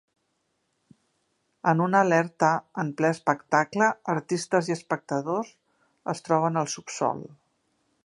En una alerta en ple espectacle, artistes i espectadors es troben al subsòl.